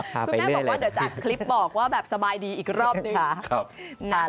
คุณแม่บอกว่าเดี๋ยวจะอัดคลิปบอกว่าแบบสบายดีอีกรอบหนึ่งค่ะ